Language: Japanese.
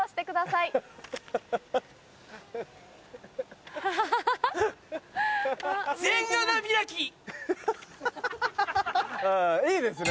いいですね。